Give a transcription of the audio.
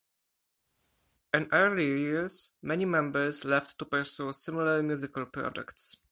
In early years, many members left to pursue similar musical projects.